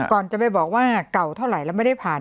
ก่อนจะไปบอกว่าเก่าเท่าไหร่แล้วไม่ได้ผ่าน